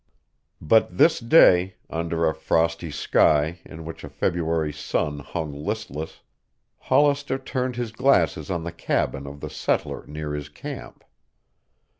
But this day, under a frosty sky in which a February sun hung listless, Hollister turned his glasses on the cabin of the settler near his camp.